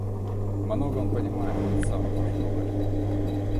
Много он понимает — этот самый ваш Гоголь!